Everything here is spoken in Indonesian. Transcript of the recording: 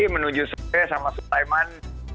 menuju sepeda sama sutaiman